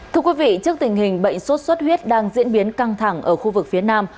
thưa quý vị trước tình hình bệnh sốt xuất huyết đang diễn biến căng thẳng ở khu vực phía nam